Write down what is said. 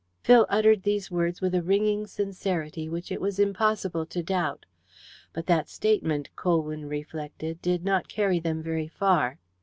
Phil uttered these words with a ringing sincerity which it was impossible to doubt. But that statement, Colwyn reflected, did not carry them very far.